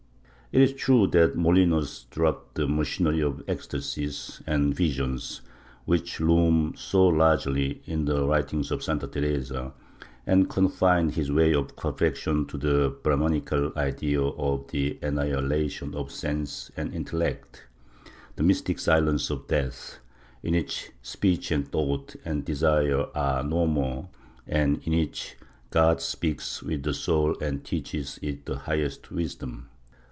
It is true that Molinos dropped the machinery of ecstasies and visions, which loom so largely in the writings of Santa Teresa, and confined his way of perfection to the Brahmanical ideal of the annihilation of sense and intellect, the mystic silence or death, in which speech and thought and desire are no more and in which God speaks with the soul and teaches it the highest wisdom.